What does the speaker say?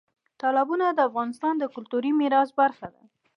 تالابونه د افغانستان د کلتوري میراث برخه ده.